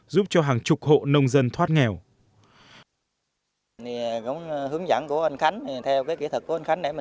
giúp cho hàng chục hộ nông dân thoát nghèo